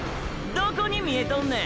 どこに見えとんねん。